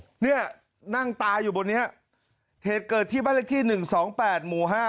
เนี่ยนั่งตายอยู่บนนี้เหตุเกิดที่บ้านเลขที่หนึ่งสองแปดหมู่ห้า